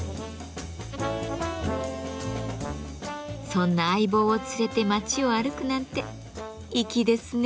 そんな相棒を連れて町を歩くなんて粋ですね。